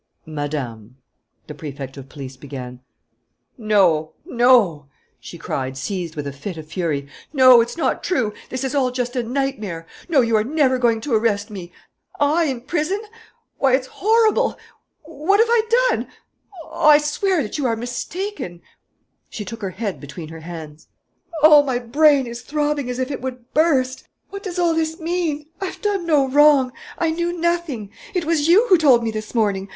"Madame " the Prefect of Police began. "No, no," she cried, seized with a fit of fury, "no, it's not true.... This is all just a nightmare.... No, you are never going to arrest me? I in prison! Why, it's horrible!... What have I done? Oh, I swear that you are mistaken " She took her head between her hands. "Oh, my brain is throbbing as if it would burst! What does all this mean? I have done no wrong.... I knew nothing. It was you who told me this morning....